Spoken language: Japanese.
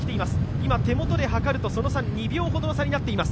今、手元ではかると、その差２秒ほどになっています。